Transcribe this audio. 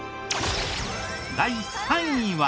第３位は。